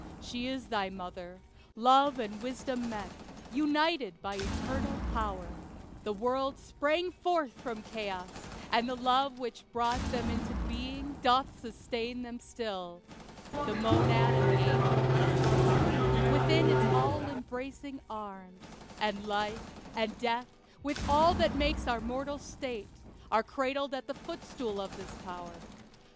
She is thy mother. Love and Wisdom met United by Eternal Power. The worlds Sprang forth from chaos; and the love which brought Them into being doth sustain them still. The monad and the angel rest alike Within its all embracing arms; and life, And death, with all that makes our mortal state, Are cradled at the footstool of this power.